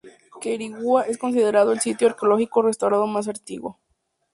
Quiriguá es considerado el sitio arqueológico restaurado más antiguo.